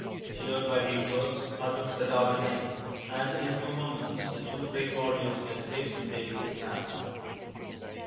Cheered by these words, Arjun set out again, and in a few moments the two great warriors met face to face at last.